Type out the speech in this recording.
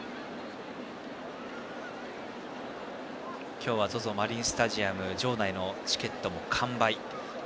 今日はＺＯＺＯマリンスタジアム場内のチケットも完売。